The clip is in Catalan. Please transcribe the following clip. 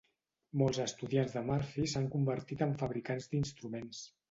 Molts estudiants de Murphy s'han convertit en fabricants d'instruments.